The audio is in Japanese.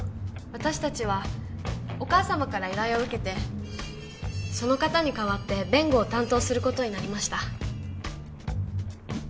私達はお母様から依頼を受けてその方に代わって弁護を担当することになりました